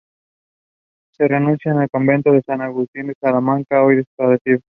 Se reunían en el convento de San Agustín en Salamanca, hoy desaparecido.